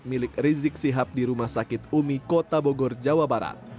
milik rizik sihab di rumah sakit umi kota bogor jawa barat